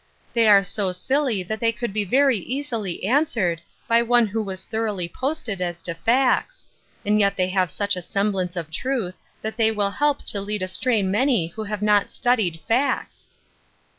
They are so silly that they could be very easily answered, by one who was thoroughly posted as to facts ; and yet they have such a semblance of truth that they will help to lead astray many who have not studied facts."